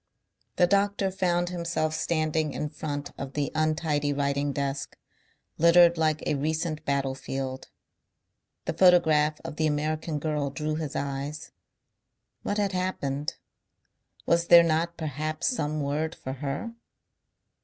The doctor found himself standing in front of the untidy writing desk, littered like a recent battlefield. The photograph of the American girl drew his eyes. What had happened? Was there not perhaps some word for her?